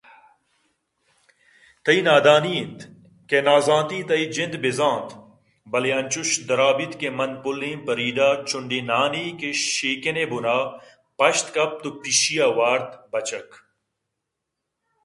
تئی نادانی اِنت کہ نازانتی تئی جند بزانت بلئے انچوش درا بیت کہ من پُلیں فریڈا چنڈے نانے کہ شیکن ءِ بن ءَ پشت کپت ءُپشیّ ءَ وارت بچک !